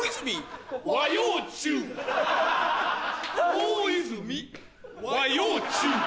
大泉和洋中